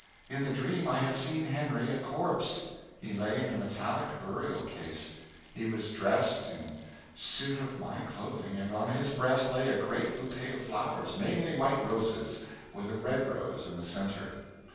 In the dream I had seen Henry a corpse. He lay in a metallic burial case. He was dressed in a suit of my clothing, and on his breast lay a great bouquet of flowers, mainly white roses, with a red rose in the centre.